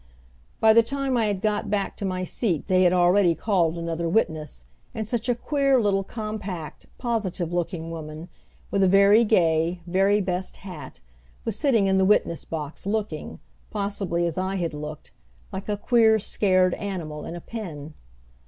By the time I had got back to my seat they had already called another witness, and such a queer little, compact, positive looking woman, with a very gay, very best hat, was sitting in the witness box looking, possibly as I had looked, like a queer, scared animal in a pen.